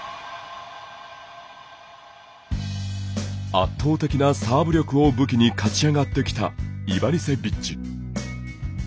圧倒的なサーブ力を武器に勝ち上がってきたイバニセビッチ。